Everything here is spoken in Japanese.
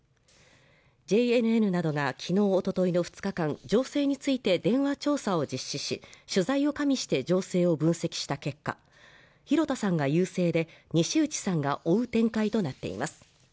ＪＮＮなどが昨日おとといの２日間情勢について電話調査を実施し取材を加味して情勢を分析した結果広田さんが優勢で西内さんが追う展開となっています